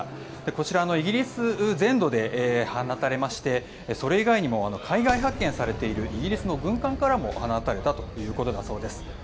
こちらのイギリス全土で放たれましてそれ以外にも海外派遣されているイギリスの軍艦からも放たれたということだそうです。